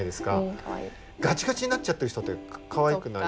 ガチガチになっちゃってる人ってかわいくない。